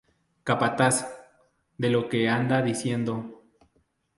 Capataz: De lo que anda diciendo.